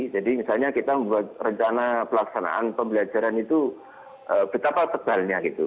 jadi misalnya kita membuat rencana pelaksanaan pembelajaran itu betapa tebalnya gitu